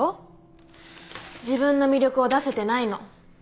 自分の魅力を出せてないの。